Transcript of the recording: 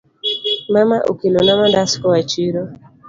Mama okelona mandas koa chiro.